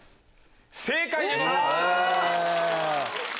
正解でございます！